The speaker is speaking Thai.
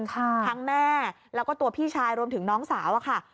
ทั้งแม่แล้วก็ตัวพี่ชายรวมถึงน้องสาวอะค่ะ